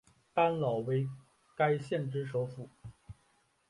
丹老为该县之首府。